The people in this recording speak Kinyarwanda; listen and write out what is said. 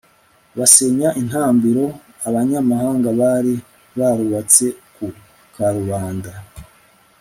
basenya intambiro abanyamahanga bari barubatse ku karubanda